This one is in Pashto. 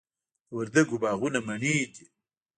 د وردګو باغونه مڼې دي